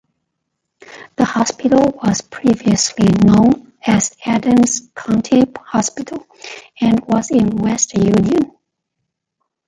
The hospital was previously known as Adams County Hospital, and was in West Union.